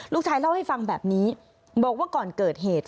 เล่าให้ฟังแบบนี้บอกว่าก่อนเกิดเหตุ